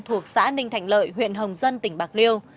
thuộc xã ninh thành lợi huyện hồng dân tỉnh bạc liêu